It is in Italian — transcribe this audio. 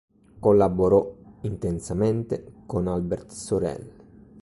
Collaborò intensamente con Albert Sorel.